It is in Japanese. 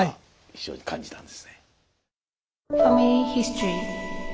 非常に感じたんですね。